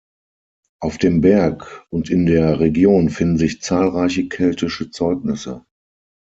Auf dem Berg und in der Region finden sich zahlreiche keltische Zeugnisse.